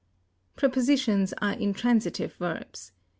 Prepositions are intransitive verbs.